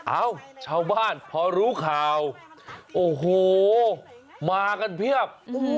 เอ้าชาวบ้านพอรู้ข่าวโอ้โหมากันเพียบ